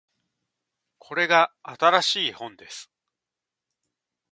これが新しい本です